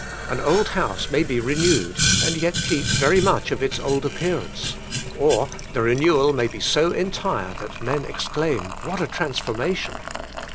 An old house may be renewed, and yet keep very much of its old appearance; or the renewal may be so entire that men exclaim what a transformation!